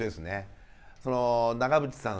その長渕さん